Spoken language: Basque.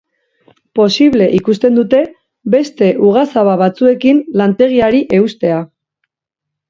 Posible ikusten dute beste ugazaba batzuekin lantegiari eustea.